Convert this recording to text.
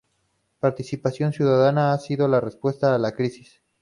Participación ciudadana ha sido la respuesta a la crisis.